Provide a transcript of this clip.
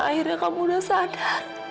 akhirnya kamu udah sadar